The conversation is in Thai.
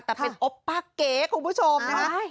แต่เป็นอ๊อปป้าเก๋ของผู้ชมนะครับ